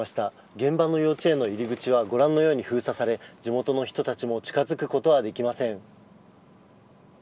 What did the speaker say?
現場の幼稚園の入り口はご覧のように封鎖され地元の人たちも近づくことはできません。